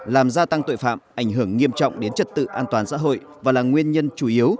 làm gia tăng tội phạm ảnh hưởng nghiêm trọng đến trật tự an toàn xã hội và là nguyên nhân chủ yếu